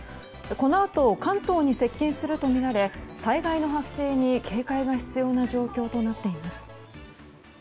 このあと関東に接近するとみられ災害の発生に警戒が必要な状況となっています。